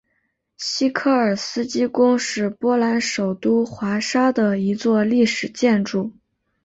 西科尔斯基宫是波兰首都华沙的一座历史建筑。